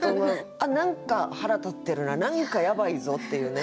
あっ何か腹立ってるな何かやばいぞっていうね